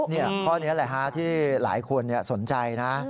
เนี่ยข้อนี้ที่หลายคนสนใจนะ